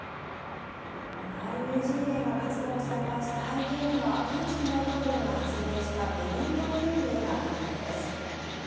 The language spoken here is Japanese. ナワリヌイ陣営が活動を再開した背景にはプーチン大統領が発令した部分動員令があるようです。